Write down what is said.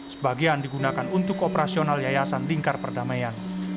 sebagian digunakan untuk operasional yayasan lingkar perdamaian